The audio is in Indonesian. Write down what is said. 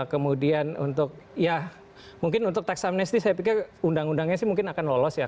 kemudian untuk ya mungkin untuk tax amnesty saya pikir undang undangnya sih mungkin akan lolos ya